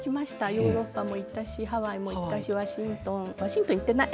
ヨーロッパも行ったしハワイも行ったしワシントンワシントンは行っていない。